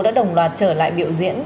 đã đồng loạt trở lại biểu diễn